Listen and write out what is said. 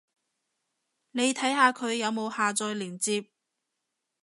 你睇下佢有冇下載連接